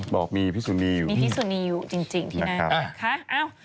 บอกมีพี่สูนิอยู่มีพี่สูนิอยู่จริงที่น่า